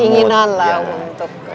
keinginan lah untuk menghapaskan ini